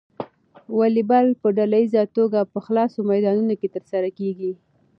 واليبال په ډله ییزه توګه په خلاصو میدانونو کې ترسره کیږي.